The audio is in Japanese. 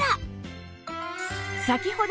先ほどの